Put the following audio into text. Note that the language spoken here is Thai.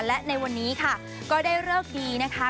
และในวันนี้ค่ะก็ได้เลิกดีนะคะ